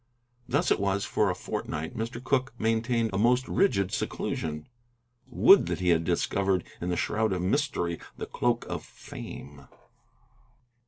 Thus it was, for a fortnight, Mr. Cooke maintained a most rigid seclusion. Would that he had discovered in the shroud of mystery the cloak of fame!